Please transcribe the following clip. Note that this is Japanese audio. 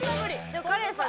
でもカレンさん